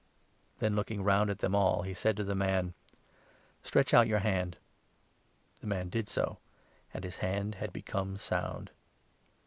" Then, looking round at them all, he said to the man : 10 " Stretch out your hand." The man did so ; and his hand had become sound.